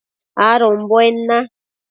adombuen na